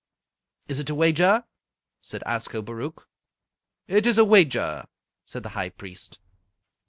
"Is it a wager?" said Ascobaruch. "It is a wager!" said the High Priest.